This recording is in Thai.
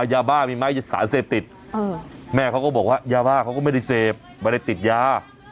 ยาบ้ามีไม้สารเสพติดแม่เขาก็บอกว่ายาบ้าเขาก็ไม่ได้เสพไม่ได้ติดยา